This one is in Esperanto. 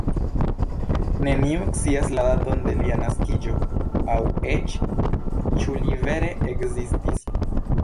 Neniu scias la daton de lia naskiĝo, aŭ eĉ ĉu li vere ekzistis.